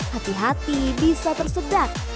hati hati bisa tersedak